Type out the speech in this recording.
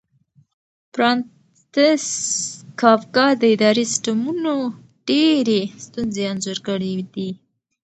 فرانتس کافکا د اداري سیسټمونو ډېرې ستونزې انځور کړې دي.